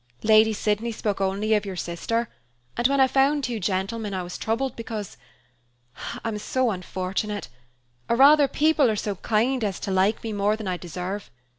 Lady Sydney spoke only of your sister, and when I found two gentlemen, I was troubled, because I am so unfortunate or rather, people are so kind as to like me more than I deserve.